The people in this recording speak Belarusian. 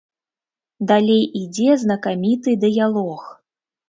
Далей ідзе знакаміты дыялог.